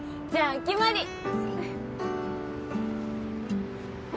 じゃあ決まり。